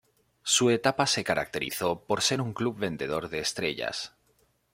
Su etapa se caracterizó por ser un club vendedor de estrellas.